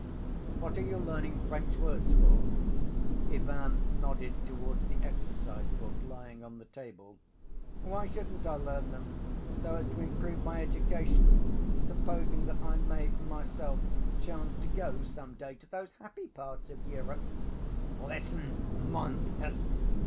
"What are you learning French words for?" Ivan nodded towards the exercise‐book lying on the table. "Why shouldn't I learn them so as to improve my education, supposing that I may myself chance to go some day to those happy parts of Europe?" "Listen, monster."